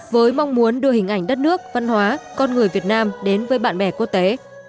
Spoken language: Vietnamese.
với mong muốn đưa hình ảnh đất nước văn hóa con người việt nam đến với bạn bè quốc tế